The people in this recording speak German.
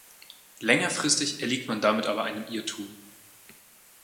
Längerfristig erliegt man damit aber einem Irrtum.